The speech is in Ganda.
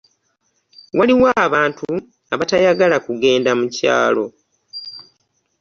Waliwo abantu abatayagala kugenda mu kyalo.